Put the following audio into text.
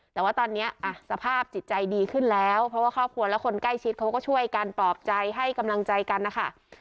แต่ว่าตอนนี้สภาพจิตใจดีขึ้นแล้วเพราะว่าครอบครัวและคนใกล้ชิดเขาก็ช่วยกันปลอบใจให้กำลังใจกันนะคะ